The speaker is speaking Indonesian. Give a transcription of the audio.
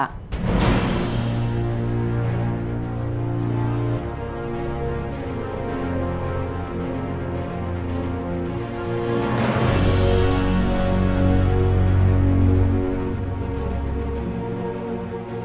untuk jawab pindahan